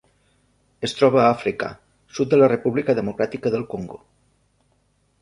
Es troba a Àfrica: sud de la República Democràtica del Congo.